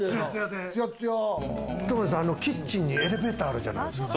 キッチンにエレベーターあるじゃないですか。